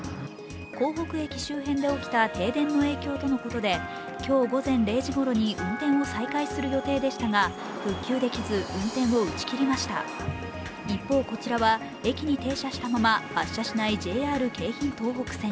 江北駅周辺で起きた停電の影響とのことで今日午前０時ごろに運転を再開する予定でしたが復旧できず、運転を打ち切りました一方こちらは駅に停車したまま発車しないＪＲ京浜東北線。